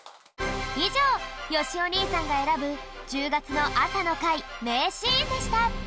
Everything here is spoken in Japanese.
いじょうよしお兄さんがえらぶ１０がつのあさのかいめいシーンでした！